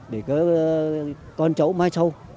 để có con cháu mai sau